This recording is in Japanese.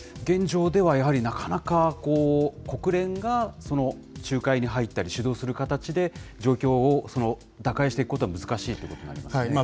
現状ではやはり、なかなか国連が仲介に入ったり主導する形で、状況を打開していくことは難しいということになりますね。